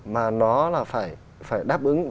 mà nó là phải đáp ứng